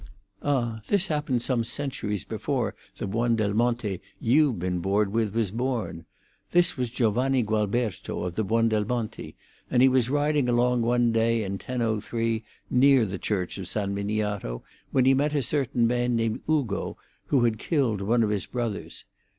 "Ah, this happened some centuries before the Buondelmonte you've been bored with was born. This was Giovanni Gualberto of the Buondelmonti, and he was riding along one day in 1003, near the Church of San Miniato, when he met a certain man named Ugo, who had killed one of his brothers.